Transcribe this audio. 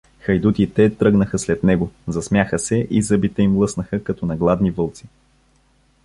Хайдутите тръгнаха след него, засмяха се и зъбите им лъснаха като на гладни вълци.